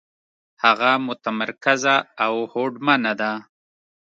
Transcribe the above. هغه متمرکزه او هوډمنه ده.